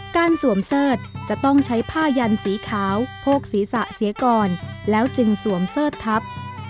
สวมเสิร์ชจะต้องใช้ผ้ายันสีขาวโพกศีรษะเสียก่อนแล้วจึงสวมเสิร์ชทับ